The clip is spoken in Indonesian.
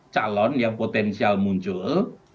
calon yang potensial muncul